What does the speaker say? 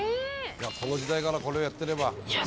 この時代からこれをやってれば。